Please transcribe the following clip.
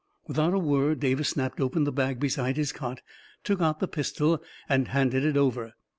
" Without a word Davis snapped open the bag beside his cot, took out the pistol and handed it over.